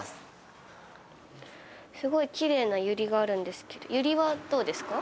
すごいきれいなユリがあるんですけどユリはどうですか？